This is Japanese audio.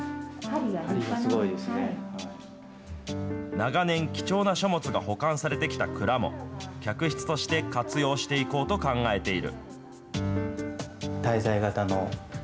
長年、貴重な書物が保管されてきた蔵も、客室として活用していこうと考えている。